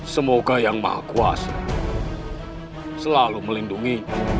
semoga yang maha kuasa selalu melindungi